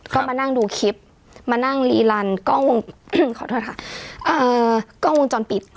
ก็มานั่งดูคลิปมานั่งลีลันกล้องวงจรปิด